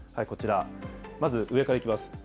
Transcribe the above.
こちら、まず上からいきます。